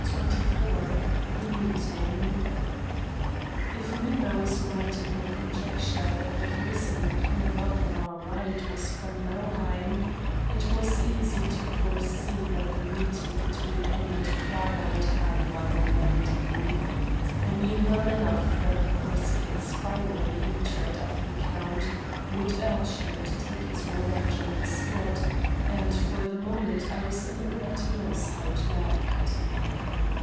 CHAPTER XXIV THE MEETING If Minna was right in her conjecture that the horseman coming up on our right was von Nauheim, it was easy to foresee that the meeting between him and Praga would have an ugly ending. I knew well enough that the Corsican's fiery hatred of the count would urge him to take his revenge on the spot, and for the moment I was a little at a loss how to act.